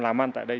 làm ăn tại đây